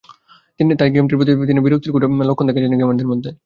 তাই গেমটির প্রতি এখনো বিরক্তির কোনো লক্ষণ দেখা যায়নি গেমারদের মধ্যে।